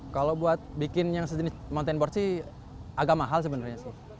kalau buat bikin yang sejenis mountain board sih agak mahal sebenarnya sih